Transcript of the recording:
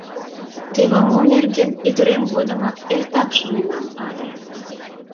Теве мо нерген ӱдырем годым эртак шоненам ыле!